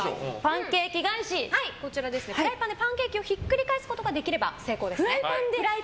フライパンでパンケーキをひっくり返すことができればフライパンで？